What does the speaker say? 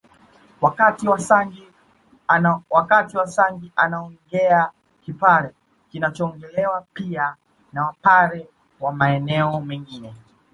Wakati wasangi anaongea kipare kinachoongelewa pia na Wapare wa maeneo mengine